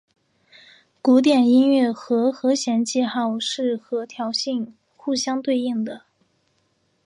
古典音乐的和弦记号是和调性互相对应的。